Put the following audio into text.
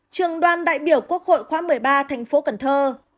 trường đoàn đại biểu quốc hội khóa một mươi ba thành phố cần thơ